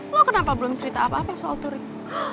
lo kenapa belum cerita apa apa soal turing